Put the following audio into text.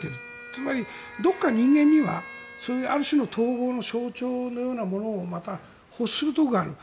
つまり、どこか人間にはある種統合の象徴のようなものをまた欲するところがある。